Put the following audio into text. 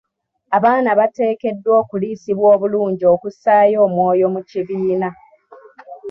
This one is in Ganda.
Abaana bateekeddwa okuliisibwa obulungi okussaayo omwoyo mu kibiina.